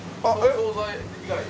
総菜。